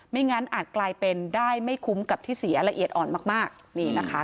ไม่งั้นอาจกลายเป็นได้ไม่คุ้มกับที่เสียละเอียดอ่อนมากนี่นะคะ